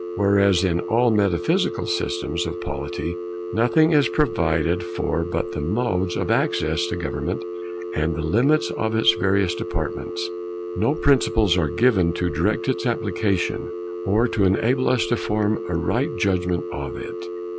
Whereas in all metaphysical systems of polity nothing is provided for but the modes of access to government and the limits of its various departments; no principles are given to direct its application or to enable us to form a right judgment of it.